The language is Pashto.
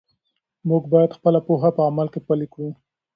موږ باید خپله پوهه په عمل کې پلی کړو.